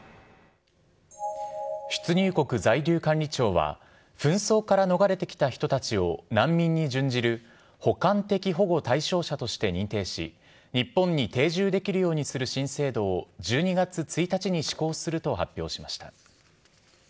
出入国在留管理庁は、紛争から逃れてきた人たちを難民に準じる補完的保護対象者として認定し、日本に定住できるようにする新制度を、１２月１日に施行すると発表しました。